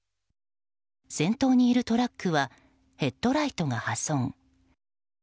先頭にいるトラックはヘッドライトが破損。